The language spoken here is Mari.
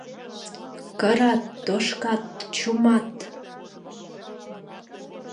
Кырат, тошкат, чумат.